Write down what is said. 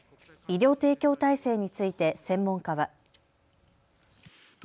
医療提供体制について専門家は。